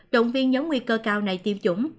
động viên nhóm nguy cơ cao này tiêm chủng